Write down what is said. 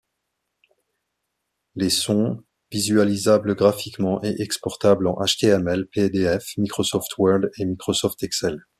Les sont visualisables graphiquement et exportables en html, pdf, Microsoft Word, Microsoft Excel.